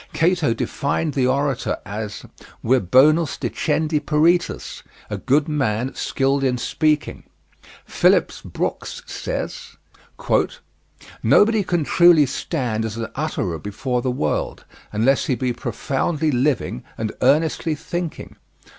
Cato defined the orator as vir bonus dicendi peritus a good man skilled in speaking. Phillips Brooks says: "Nobody can truly stand as a utterer before the world, unless he be profoundly living and earnestly thinking."